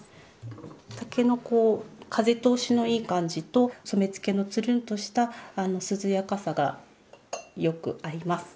竹のこう風通しのいい感じと染付のつるんとした涼やかさがよく合います。